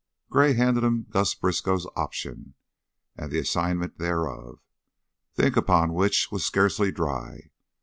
Gray handed him Gus Briskow's option, and the assignment thereof, the ink upon which was scarcely dry.